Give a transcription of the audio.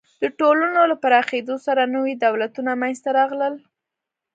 د ټولنو له پراخېدو سره نوي دولتونه منځ ته راغلل.